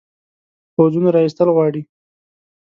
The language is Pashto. پوځونو را ایستل غواړي.